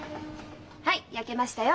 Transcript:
はい焼けましたよ！